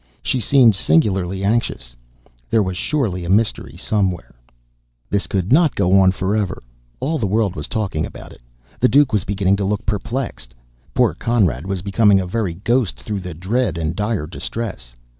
She seemed singularly anxious. There was surely a mystery somewhere. This could not go on forever. All the world was talking about it. The Duke was beginning to look perplexed. Poor Conrad was becoming a very ghost through dread and dire distress.